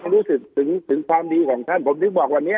รู้สึกถึงความดีของท่านผมถึงบอกวันนี้